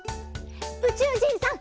うちゅうじんさん！